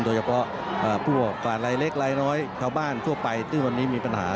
โดยเฉพาะผู้ออกการไรเล็กไรน้อยแผ่วบ้านทั่วไปซึ่งวันนี้มีปัญหา